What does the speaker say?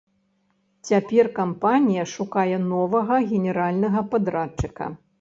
Цяпер кампанія шукае новага генеральнага падрадчыка.